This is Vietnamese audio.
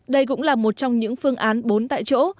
đây cũng là một trong những phương án bốn tại chỗ